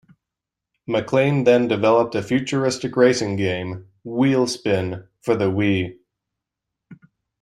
MacLean then developed a futuristic racing game, "WheelSpin", for the Wii.